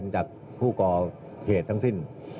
จากผู้ก่อเหตุทั้งสิ้น